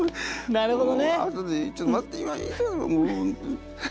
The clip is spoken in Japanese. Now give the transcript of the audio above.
なるほど。